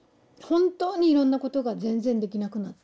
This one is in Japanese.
本当にいろんなことが全然できなくなって。